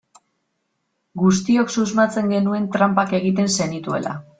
Guztiok susmatzen genuen tranpak egiten zenituela.